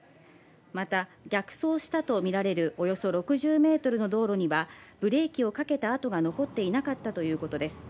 また逆走したとみられる、およそ６０メートルの道路にはブレーキをかけた痕が残っていなかったということです。